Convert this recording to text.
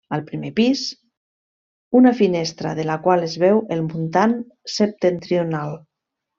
Al primer pis, una finestra de la qual es veu el muntant septentrional.